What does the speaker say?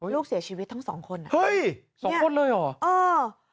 ลูกเสียชีวิตทั้งสองคนอ่ะเฮ้ยสองคนเลยเหรอเออ